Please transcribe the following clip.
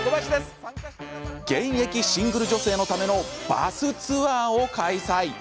現役シングル女性のためのバスツアーを開催。